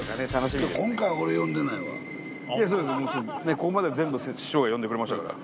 ここまでは全部師匠が呼んでくれましたから。